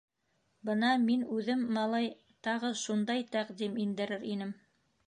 — Бына мин үҙем, малай, тағы шундай тәҡдим индерер инем...